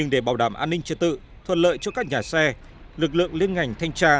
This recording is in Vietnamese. để bảo đảm an ninh trật tự thuận lợi cho các nhà xe lực lượng liên ngành thanh tra